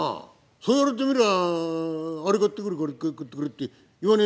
そう言われてみりゃあれ買ってくれこれ買ってくれって言わねえな！」。